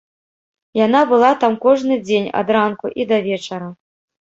Яна была там кожны дзень, адранку і да вечара.